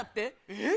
えっ？